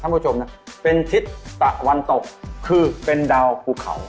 ผู้ชมนะเป็นทิศตะวันตกคือเป็นดาวภูเขา